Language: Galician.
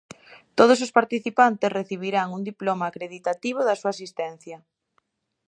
Todos os participantes recibirán un diploma acreditativo da súa asistencia.